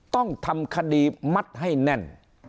ต้องทำคดีมัดให้แน่น